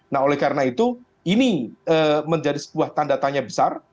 nah oleh karena itu ini menjadi sebuah tanda tanya besar